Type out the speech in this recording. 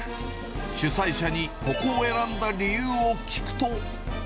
主催者にここを選んだ理由を聞くと。